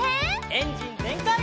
エンジンぜんかい！